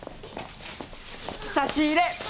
差し入れ！